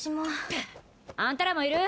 ぷはっ。あんたらもいる？